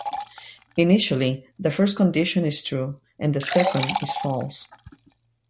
Initially, the first condition is true and the second is false.